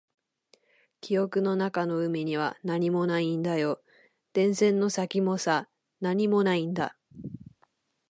記憶の中の海には何もないんだよ。電線の先もさ、何もないんだ。